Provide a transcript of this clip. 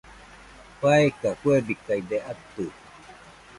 faeka fɨebikaide atɨ